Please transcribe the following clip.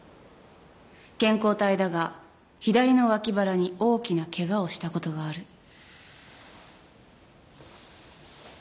健康体だが左の脇腹に大きなケガをしたことがある。